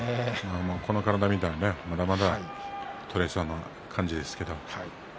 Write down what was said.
この体を見たらまだまだ取れそうな感じですけど。